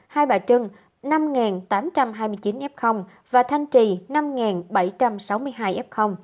hai bà trưng năm tám trăm hai mươi chín f và thanh trì năm bảy trăm sáu mươi hai f